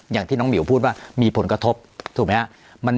อย่างที่น้องหมิวพูดว่ามีผลกระทบถูกไหมครับ